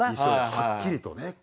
はっきりとね。